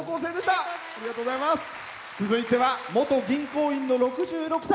続いては元銀行員の６６歳。